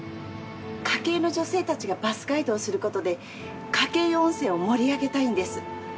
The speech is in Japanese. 鹿教湯の女性たちがバスガイドをすることで鹿教湯温泉を盛り上げたいんです